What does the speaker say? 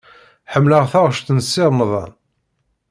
Ḥemmleɣ taɣect n Si Remḍan.